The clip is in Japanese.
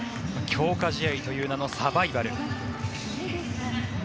強化試合という名のサバイバル。